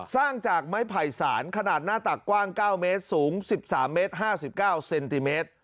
สร้างจากไม้ไผ่สารขนาดหน้าตักกว้าง๙เมตรสูง๑๓เมตร๕๙เซนติเมตร